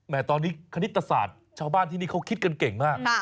ตอนนี้คณิตศาสตร์ชาวบ้านที่นี่เขาคิดกันเก่งมาก